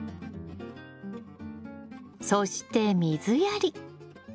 そして水やり。